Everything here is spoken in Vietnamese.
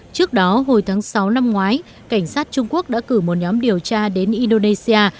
trước đó hồi tháng sáu năm ngoái cảnh sát trung quốc đã cử một nhóm điều tra đến indonesia